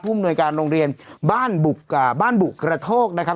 มนวยการโรงเรียนบ้านบุกระโทกนะครับ